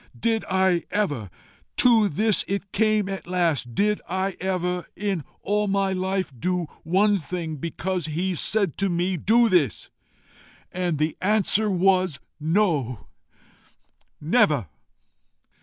Did I ever' to this it came at last 'Did I ever, in all my life, do one thing because he said to me DO THIS?' And the answer was NO, NEVER.